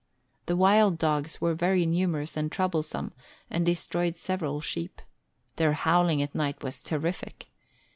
The wild dogs were very numerous and troublesome, and destroyed several sheep. Their howling at night was terrific.